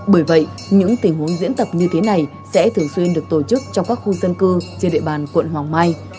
bởi vậy những tình huống diễn tập như thế này sẽ thường xuyên được tổ chức trong các khu dân cư trên địa bàn quận hoàng mai